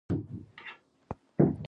په يو حساب خو دوى هم نه دي ملامت.